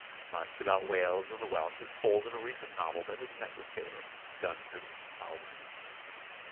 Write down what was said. Much about Wales and the Welsh is told in a recent novel that has met with favor, Dunton's "Aylwin."